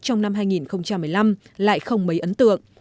trong năm hai nghìn một mươi năm lại không mấy ấn tượng